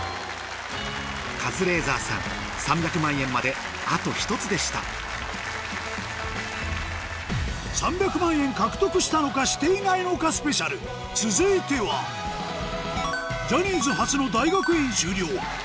カズレーザーさん３００万円まであと１つでした３００万円獲得したのかしていないのかＳＰ続いてはジャニーズ初の大学院修了ＳｎｏｗＭａｎ